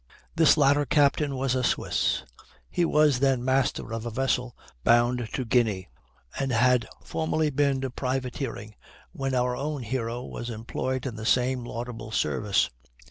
This latter captain was a Swiss. He was then master of a vessel bound to Guinea, and had formerly been a privateering, when our own hero was employed in the same laudable service.